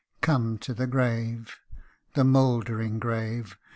Come to the grave the mouldering grave